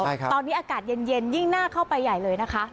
ตอนนี้อากาศเย็นยิ่งน่าเข้าไปใหญ่เลยนะคะ